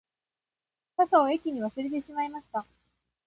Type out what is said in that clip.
傘を駅に忘れてしまいました